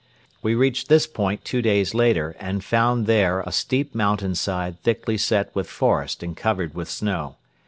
We reached this point two days later and found there a steep mountain side thickly set with forest and covered with snow.